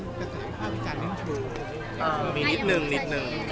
ก็คือมีความจำนึงถูก